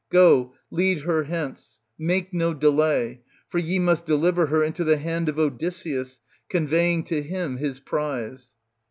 Go, lead her hence, make no delay, for ye must deliver her into the hand of Odysseus, conveying to him his prize.